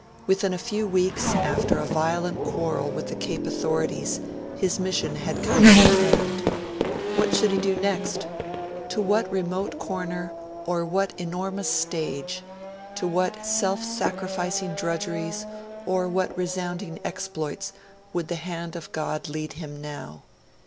Within a few weeks, after a violent quarrel with the Cape authorities, his mission had come to an end. What should he do next? To what remote corner or what enormous stage, to what self sacrificing drudgeries or what resounding exploits, would the hand of God lead him now?